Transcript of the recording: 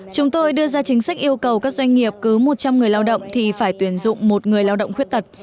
chúng tôi đưa ra chính sách yêu cầu các doanh nghiệp cứ một trăm linh người lao động thì phải tuyển dụng một người lao động khuyết tật